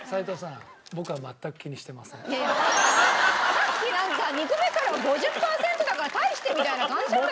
さっきなんか「２個目からは５０パーセントだから大して」みたいな感じだった！